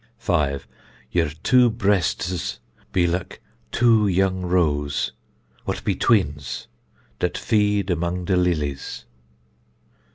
5. Yer two brestès be lik two young roes, what be tweens, dat feed among de lilies.